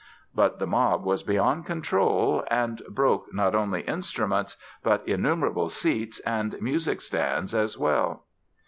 But the mob was beyond control and broke not only instruments but innumerable seats and music stands as well!